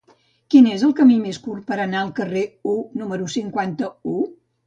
Quin és el camí més curt per anar al carrer U número cinquanta-u?